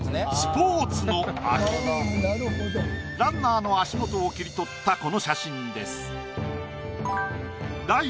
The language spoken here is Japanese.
ランナーの足元を切り取ったこの写真です。